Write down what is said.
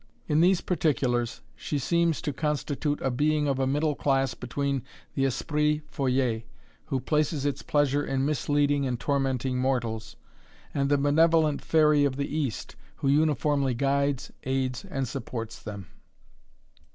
In these particulars she seems to constitute a being of a middle class, between the esprit follet who places its pleasure in misleading and tormenting mortals, and the benevolent Fairy of the East, who uniformly guides, aids, and supports them.